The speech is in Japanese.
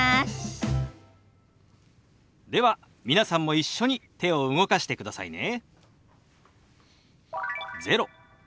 では皆さんも一緒に手を動かしてくださいね。